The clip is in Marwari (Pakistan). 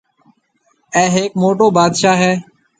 اَي هيَڪ موٽو بادشاه هيَ۔